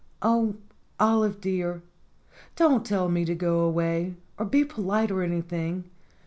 "Oh, Olive dear! don't tell me to go away, or be polite or anything.